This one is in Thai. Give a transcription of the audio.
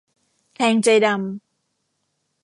แทงใจดำ